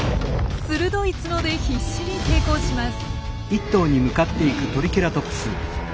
鋭い角で必死に抵抗します。